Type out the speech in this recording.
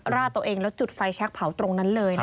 ราดตัวเองแล้วจุดไฟแชคเผาตรงนั้นเลย